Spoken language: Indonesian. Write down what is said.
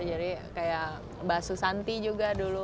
jadi seperti basu santi juga